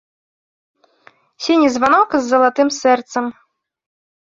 Сіні званок з залатым сэрцам.